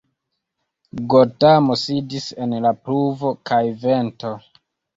Gotamo sidis en la pluvo kaj vento.